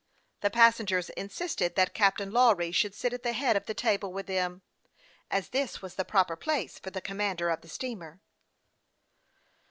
The passengers insisted that Captain Lawry should sit at the head of the table with them, as this was the proper place for the commander of the steamer.